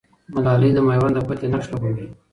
ملالۍ د مېوند د فتحې نقش لوبوي.